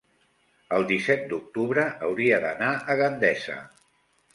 el disset d'octubre hauria d'anar a Gandesa.